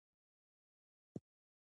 د پوهنې کمیسیون له زده کوونکو ملاتړ کوي.